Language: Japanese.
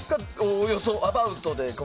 おおよそアバウトで。